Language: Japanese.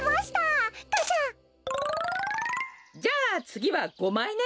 じゃあつぎは５まいね。